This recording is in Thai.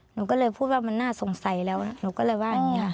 หนูก็เลยพูดว่ามันน่าสงสัยแล้วหนูก็เลยว่าอย่างนี้ค่ะ